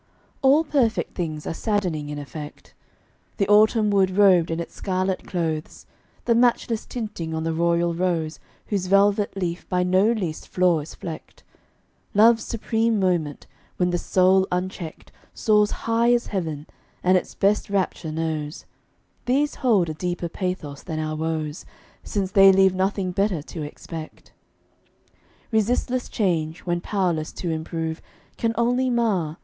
All perfect things are saddening in effect. The autumn wood robed in its scarlet clothes, The matchless tinting on the royal rose Whose velvet leaf by no least flaw is flecked, Love's supreme moment, when the soul unchecked Soars high as heaven, and its best rapture knows These hold a deeper pathos than our woes, Since they leave nothing better to expect. Resistless change, when powerless to improve, Can only mar.